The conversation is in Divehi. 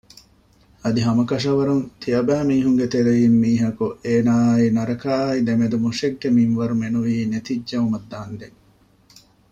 އަދި ހަމަކަށަވަރުން ތިޔަބައިމީހުންގެ ތެރެއިން މީހަކު އޭނާއާއި ނަރަކައާ ދެމެދު މުށެއްގެ މިންވަރު މެނުވީ ނެތިއްޖައުމަށް ދާންދެން